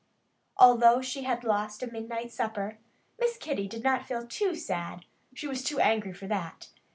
Though she had lost a midnight supper, Miss Kitty did not feel too sad. She was too angry for that.